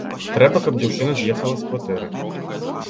Трэба, каб дзяўчына з'ехала з кватэры.